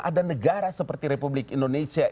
ada negara seperti republik indonesia